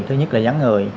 thứ nhất là dắn người